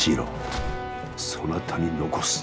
そなたに残す。